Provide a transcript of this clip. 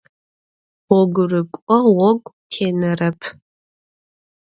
Ğogurık'o ğogu tênerep.